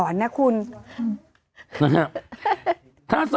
มะนาว